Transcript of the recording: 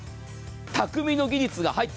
匠の技術が入って。